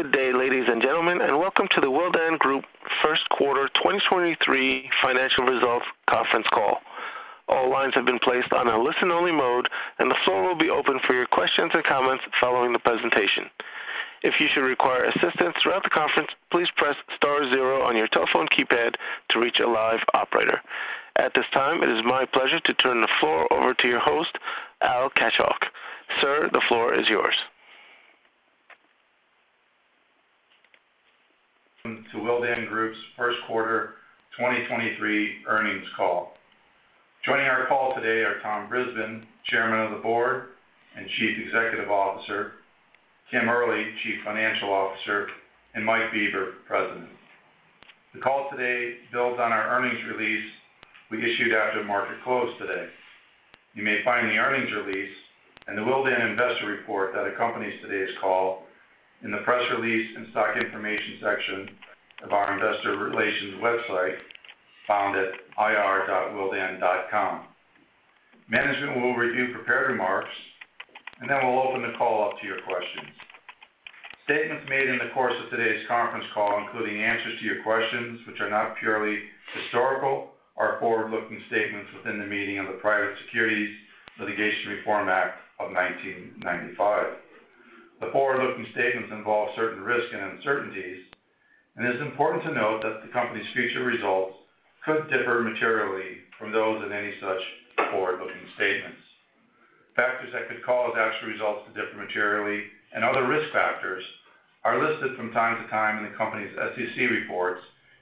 Good day, ladies and gentlemen, welcome to the Willdan Group First Quarter 2023 Financial Results Conference Call. All lines have been placed on a listen-only mode, and the floor will be open for your questions and comments following the presentation. If you should require assistance throughout the conference, please press star zero on your telephone keypad to reach a live operator. At this time, it is my pleasure to turn the floor over to your host, Al Kaschalk. Sir, the floor is yours. To Willdan Group's first quarter 2023 earnings call. Joining our call today are Tom Brisbin, Chairman of the Board and Chief Executive Officer, Kim Early, Chief Financial Officer, and Mike Bieber, President. The call today builds on our earnings release we issued after the market close today. You may find the earnings release and the Willdan investor report that accompanies today's call in the press release and stock information section of our investor relations website found at ir.willdan.com. Management will review prepared remarks, and then we'll open the call up to your questions. Statements made in the course of today's conference call, including answers to your questions, which are not purely historical, are forward-looking statements within the meaning of the Private Securities Litigation Reform Act of 1995. The forward-looking statements involve certain risks and uncertainties, and it is important to note that the company's future results could differ materially from those in any such forward-looking statements. Factors that could cause actual results to differ materially and other risk factors are listed from time to time in the company's SEC reports,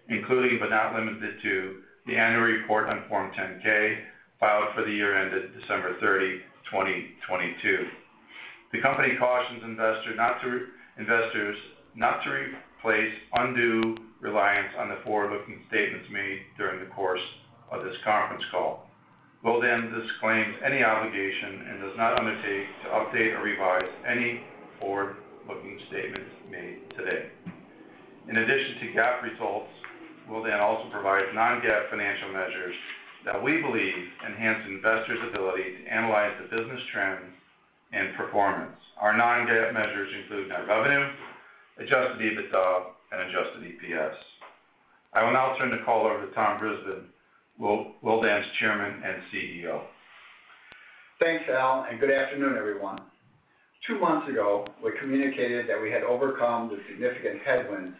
including but not limited to the annual report on Form 10-K filed for the year ended December 30, 2022. The company cautions investors not to place undue reliance on the forward-looking statements made during the course of this conference call. Willdan disclaims any obligation and does not undertake to update or revise any forward-looking statements made today. In addition to GAAP results, Willdan also provides non-GAAP financial measures that we believe enhance investors' ability to analyze the business trends and performance. Our non-GAAP measures include net revenue, adjusted EBITDA, and Adjusted EPS. I will now turn the call over to Tom Brisbin, Willdan's Chairman and CEO. Thanks, Al, and good afternoon, everyone. Two months ago, we communicated that we had overcome the significant headwinds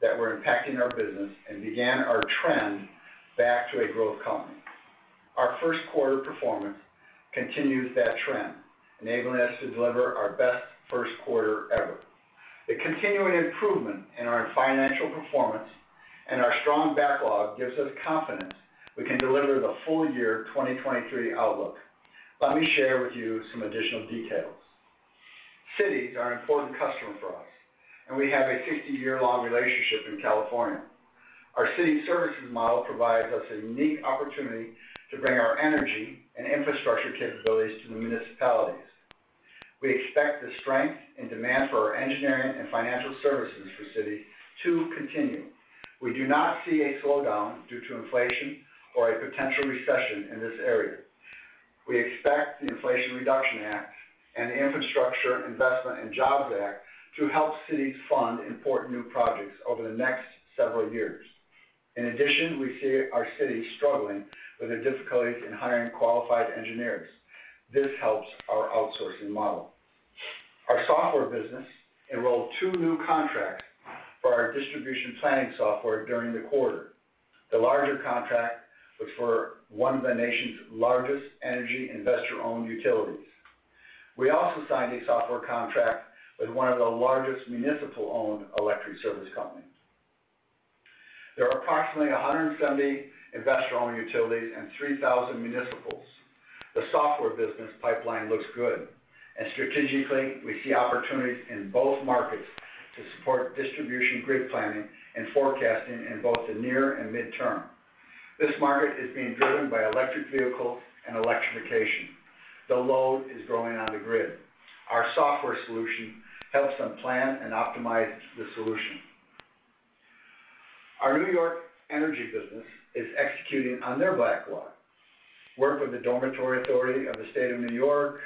that were impacting our business and began our trend back to a growth company. Our first quarter performance continues that trend, enabling us to deliver our best first quarter ever. The continuing improvement in our financial performance and our strong backlog gives us confidence we can deliver the full year 2023 outlook. Let me share with you some additional details. Cities are an important customer for us, and we have a 50-year-long relationship in California. Our city services model provides us a unique opportunity to bring our energy and infrastructure capabilities to the municipalities. We expect the strength and demand for our engineering and financial services for cities to continue. We do not see a slowdown due to inflation or a potential recession in this area. We expect the Inflation Reduction Act and the Infrastructure Investment and Jobs Act to help cities fund important new projects over the next several years. In addition, we see our cities struggling with the difficulties in hiring qualified engineers. This helps our outsourcing model. Our software business enrolled two new contracts for our distribution planning software during the quarter. The larger contract was for one of the nation's largest energy investor-owned utilities. We also signed a software contract with one of the largest municipal-owned electric service companies. There are approximately 170 investor-owned utilities and 3,000 municipals. The software business pipeline looks good, and strategically, we see opportunities in both markets to support distribution grid planning and forecasting in both the near and mid-term. This market is being driven by electric vehicles and electrification. The load is growing on the grid. Our software solution helps them plan and optimize the solution. Our New York energy business is executing on their backlog. Work with the Dormitory Authority of the State of New York,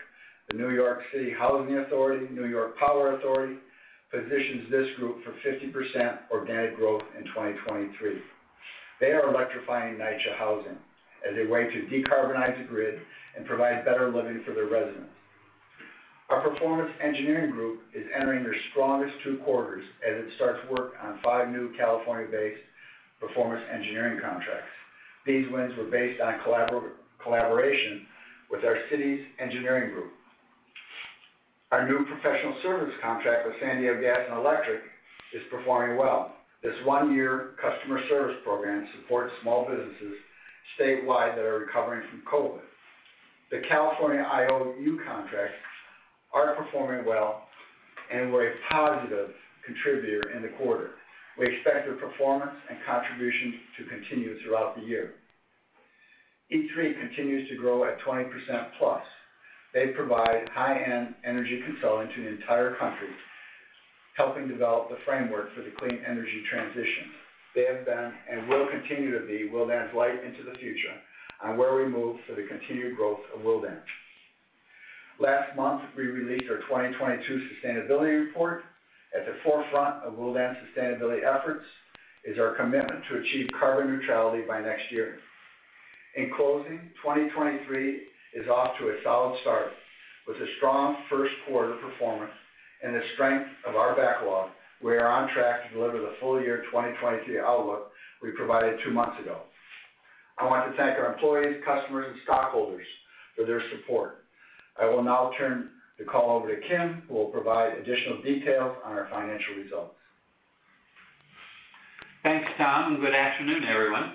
the New York City Housing Authority, New York Power Authority positions this group for 50% organic growth in 2023. They are electrifying NYCHA housing as a way to decarbonize the grid and provide better living for their residents. Our performance engineering group is entering their strongest two quarters as it starts work on five new California-based performance engineering contracts. These wins were based on collaboration with our city's engineering group. Our new professional service contract with San Diego Gas & Electric is performing well. This one-year customer service program supports small businesses statewide that are recovering from COVID. The California IOU contracts are performing well and were a positive contributor in the quarter. We expect their performance and contributions to continue throughout the year. E3 continues to grow at 20% plus. They provide high-end energy consulting to the entire country, helping develop the framework for the clean energy transition. They have been and will continue to be Willdan's light into the future on where we move for the continued growth of Willdan. Last month, we released our 2022 sustainability report. At the forefront of Willdan sustainability efforts is our commitment to achieve carbon neutrality by next year. In closing, 2023 is off to a solid start. With a strong first quarter performance and the strength of our backlog, we are on track to deliver the full year 2023 outlook we provided 2 months ago. I want to thank our employees, customers, and stockholders for their support. I will now turn the call over to Kim, who will provide additional detail on our financial results. Thanks, Tom. Good afternoon, everyone.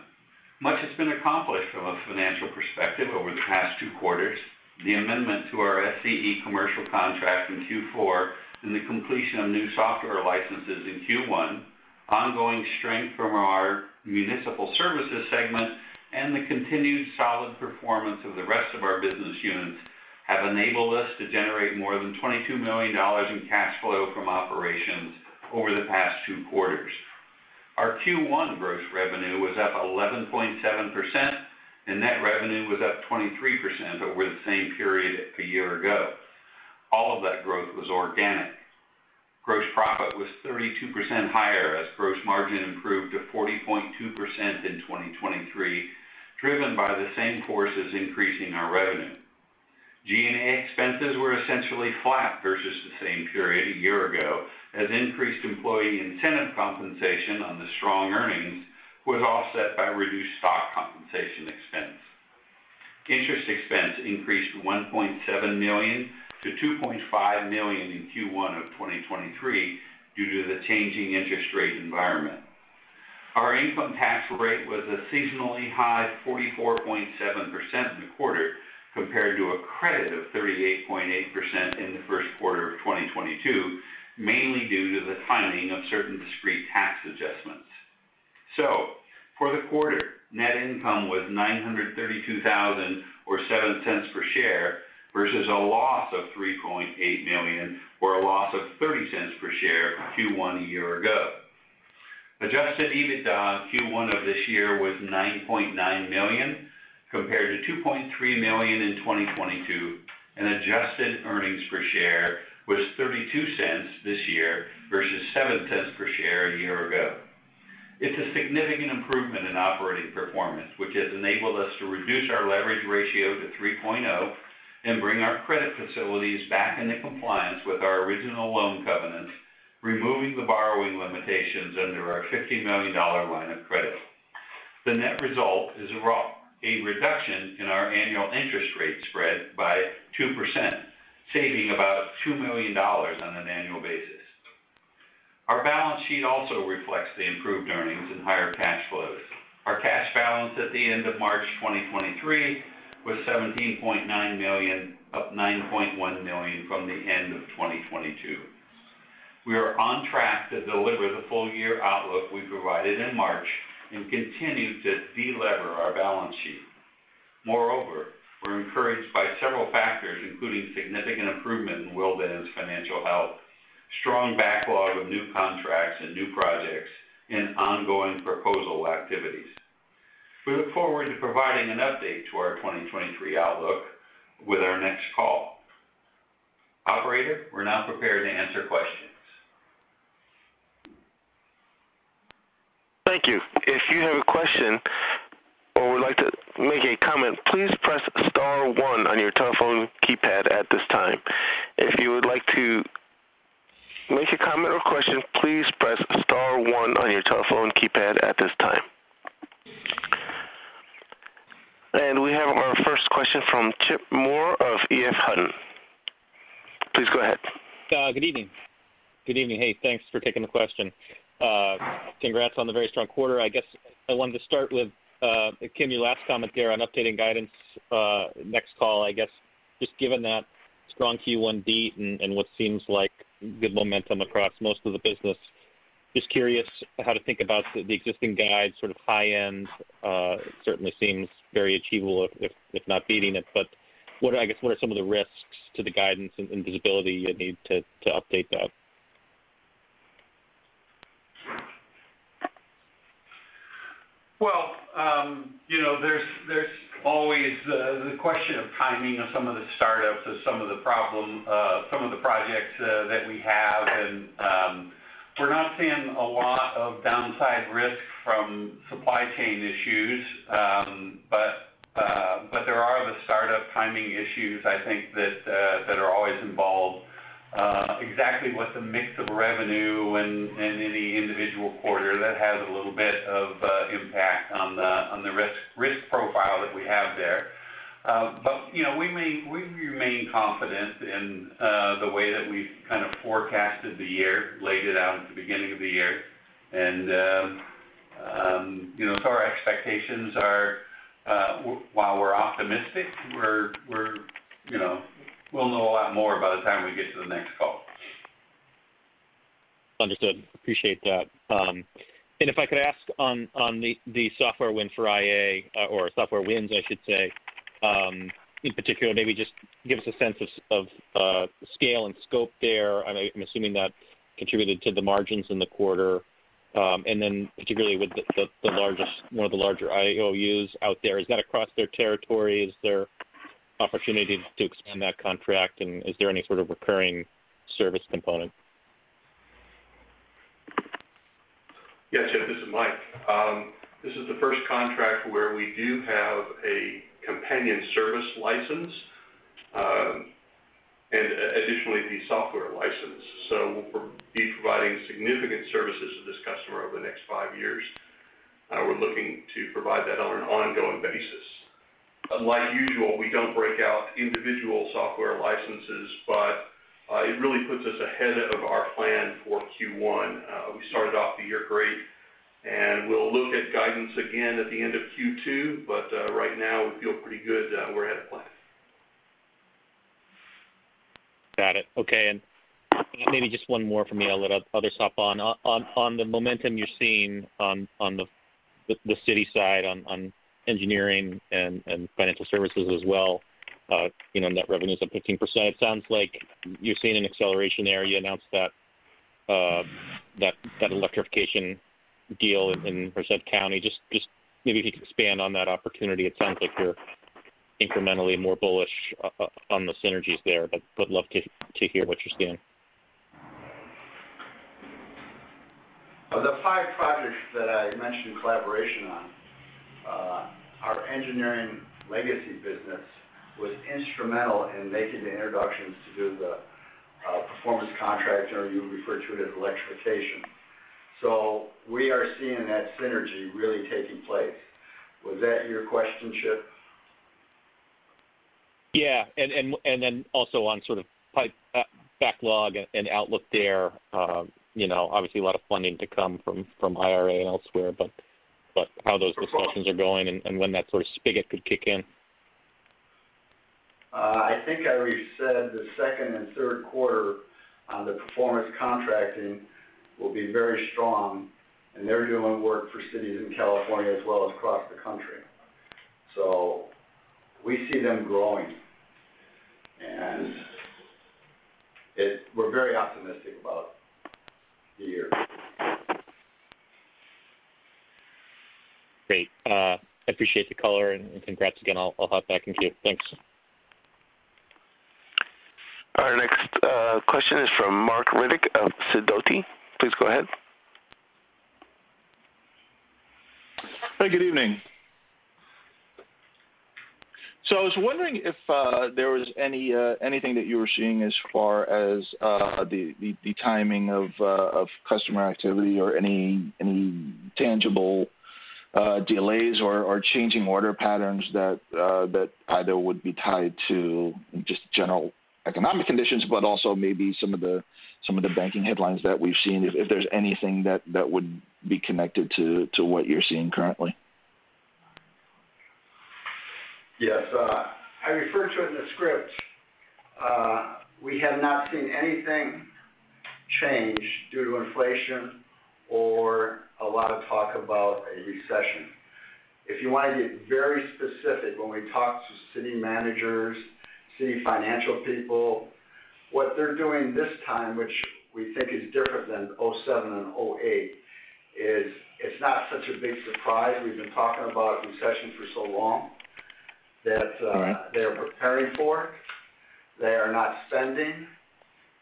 Much has been accomplished from a financial perspective over the past two quarters. The amendment to our SCE commercial contract in Q4, the completion of new software licenses in Q1, ongoing strength from our municipal services segment, and the continued solid performance of the rest of our business units have enabled us to generate more than $22 million in cash flow from operations over the past two quarters. Our Q1 gross revenue was up 11.7%. Net revenue was up 23% over the same period a year ago. All of that growth was organic. Gross profit was 32% higher as gross margin improved to 40.2% in 2023, driven by the same forces increasing our revenue. G&A expenses were essentially flat versus the same period a year ago, as increased employee incentive compensation on the strong earnings was offset by reduced stock compensation expense. Interest expense increased $1.7 million-$2.5 million in Q1 of 2023 due to the changing interest rate environment. Our income tax rate was a seasonally high 44.7% in the quarter compared to a credit of 38.8% in the first quarter of 2022, mainly due to the timing of certain discrete tax adjustments. For the quarter, net income was $932,000 or $0.07 per share versus a loss of $3.8 million or a loss of $0.30 per share Q1 a year ago. Adjusted EBITDA in Q1 of this year was $9.9 million compared to $2.3 million in 2022. Adjusted earnings per share was $0.32 this year versus $0.07 per share a year ago. It's a significant improvement in operating performance, which has enabled us to reduce our leverage ratio to 3.0 and bring our credit facilities back into compliance with our original loan covenants, removing the borrowing limitations under our $50 million line of credit. The net result is a reduction in our annual interest rate spread by 2%, saving about $2 million on an annual basis. Our balance sheet also reflects the improved earnings and higher cash flows. Our cash balance at the end of March 2023 was $17.9 million, up $9.1 million from the end of 2022. We are on track to deliver the full year outlook we provided in March and continue to de-lever our balance sheet. We're encouraged by several factors, including significant improvement in Willdan's financial health, strong backlog of new contracts and new projects, and ongoing proposal activities. We look forward to providing an update to our 2023 outlook with our next call. Operator, we're now prepared to answer questions. Thank you. If you have a question or would like to make a comment, please press star one on your telephone keypad at this time. If you would like to make a comment or question, please press star one on your telephone keypad at this time. We have our first question from Chip Moore of EF Hutton. Please go ahead. Good evening. Good evening. Hey, thanks for taking the question. Congrats on the very strong quarter. I guess I wanted to start with, Kim, your last comment there on updating guidance, next call, I guess, just given that strong Q1 beat and what seems like good momentum across most of the business. Just curious how to think about the existing guide sort of high end, certainly seems very achievable if not beating it. I guess, what are some of the risks to the guidance and visibility you need to update that? Well, you know, there's always the question of timing of some of the startups of some of the projects that we have. We're not seeing a lot of downside risk from supply chain issues. But there are the startup timing issues, I think that are always involved. Exactly what the mix of revenue in any individual quarter, that has a little bit of impact on the risk profile that we have there. But, you know, we remain confident in the way that we've kind of forecasted the year, laid it out at the beginning of the year. You know, so our expectations are, while we're optimistic, we're, you know, we'll know a lot more by the time we get to the next call. Understood. Appreciate that. If I could ask on the software win for IA, or software wins, I should say, in particular, maybe just give us a sense of scale and scope there. I'm assuming that contributed to the margins in the quarter. Particularly with the one of the larger IOUs out there, is that across their territory? Is there opportunity to expand that contract and is there any sort of recurring service component? Yes, Chip, this is Mike. This is the first contract where we do have a companion service license, and additionally the software license. We'll be providing significant services to this customer over the next 5 years. We're looking to provide that on an ongoing basis. Like usual, we don't break out individual software licenses, it really puts us ahead of our plan for Q1. We started off the year great, and we'll look at guidance again at the end of Q2, right now we feel pretty good, we're ahead of plan. Got it. Okay, maybe just one more from me, I'll let others hop on. On the momentum you're seeing on the city side, on engineering and financial services as well, you know, net revenue's up 15%. It sounds like you're seeing an acceleration there. You announced that electrification deal in Merced County. Just maybe if you could expand on that opportunity. It sounds like you're incrementally more bullish on the synergies there, but would love to hear what you're seeing. Of the 5 projects that I mentioned in collaboration on, our engineering legacy business was instrumental in making the introductions to do the performance contract, or you referred to it as electrification. We are seeing that synergy really taking place. Was that your question, Chip? Yeah. Then also on sort of pipe, backlog and outlook there, you know, obviously a lot of funding to come from IRA and elsewhere, but how those discussions are going and when that sort of spigot could kick in. I think I already said the second and third quarter on the performance contracting will be very strong, and they're doing work for cities in California as well as across the country. We see them growing. We're very optimistic about the year. Great. I appreciate the color and congrats again. I'll hop back in queue. Thanks. Our next question is from Marc Riddick of Sidoti. Please go ahead. Hi, good evening. I was wondering if there was any anything that you were seeing as far as the the the timing of of customer activity or any any tangible delays or or changing order patterns that that either would be tied to just general economic conditions, but also maybe some of the some of the banking headlines that we've seen, if there's anything that that would be connected to to what you're seeing currently? Yes. I referred to it in the script. We have not seen anything change due to inflation or a lot of talk about a recession. If you wanna get very specific, when we talk to city managers, city financial people, what they're doing this time, which we think is different than 2007 and 2008, is it's not such a big surprise. We've been talking about a recession for so long that, Mm-hmm. they're preparing for. They are not spending.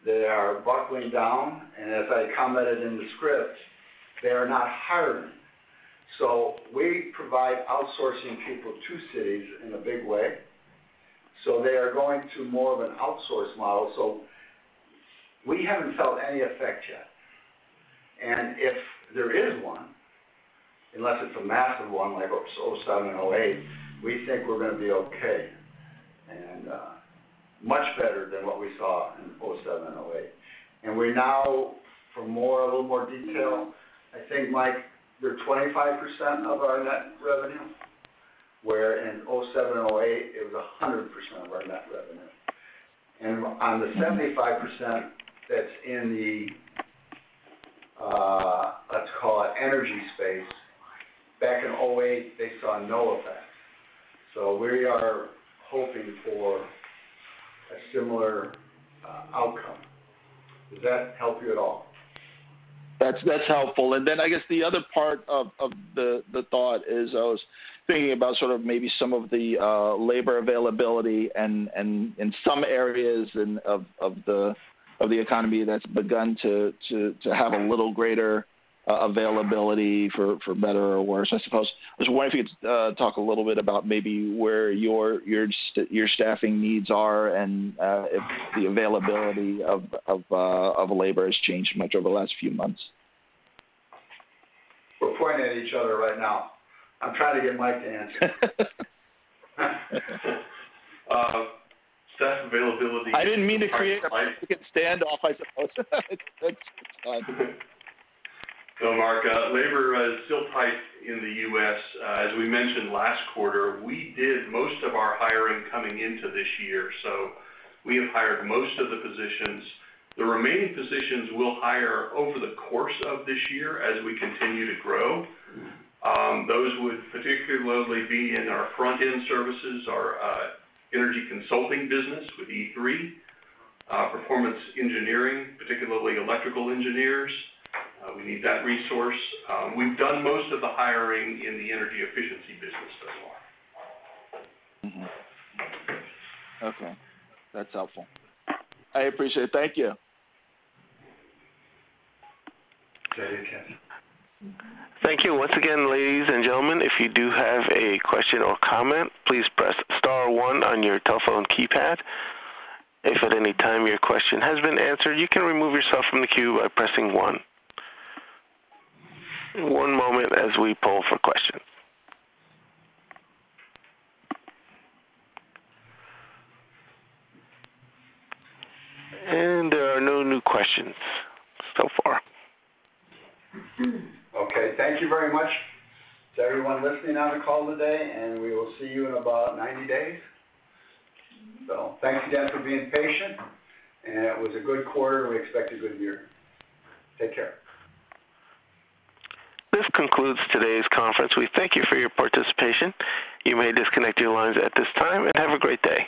They are buckling down. As I commented in the script, they are not hiring. We provide outsourcing people to cities in a big way, so they are going to more of an outsource model. We haven't felt any effect yet. If there is one, unless it's a massive one like 2007 and 2008, we think we're gonna be okay. Much better than what we saw in 2007 and 2008. We're now for more, a little more detail, I think, Mike, they're 25% of our net revenue, where in 2007 and 2008 it was 100% of our net revenue. On the 75% that's in the, let's call it energy space, back in 2008, they saw no effect. We are hoping for a similar outcome. Does that help you at all? That's helpful. Then I guess the other part of the thought is I was thinking about sort of maybe some of the labor availability and in some areas and of the economy that's begun to have a little greater availability for better or worse, I suppose. I was wondering if you could talk a little bit about maybe where your staffing needs are and if the availability of labor has changed much over the last few months. We're pointing at each other right now. I'm trying to get Mike to answer. Staff availability... I didn't mean to create a stand off, I suppose. That's fine. Marc, labor is still tight in the U.S. As we mentioned last quarter, we did most of our hiring coming into this year, so we have hired most of the positions. The remaining positions we'll hire over the course of this year as we continue to grow. Those would particularly be in our front-end services, our energy consulting business with E3, performance engineering, particularly electrical engineers. We need that resource. We've done most of the hiring in the energy efficiency business so far. Mm-hmm. Okay. That's helpful. I appreciate it. Thank you. Very good. Thank you once again, ladies and gentlemen. If you do have a question or comment, please press star one on your telephone keypad. If at any time your question has been answered, you can remove yourself from the queue by pressing one. One moment as we poll for questions. There are no new questions so far. Okay. Thank you very much to everyone listening on the call today. We will see you in about 90 days. Thanks again for being patient. It was a good quarter. We expect a good year. Take care. This concludes today's conference. We thank you for your participation. You may disconnect your lines at this time, and have a great day.